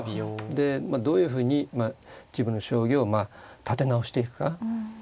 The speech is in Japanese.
でまあどういうふうに自分の将棋をまあ立て直していくか。